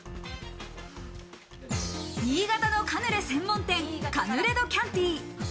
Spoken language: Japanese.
新潟のカヌレ専門店、カヌレドキャンティ。